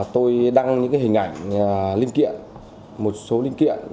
tôi đăng những hình ảnh một số linh kiện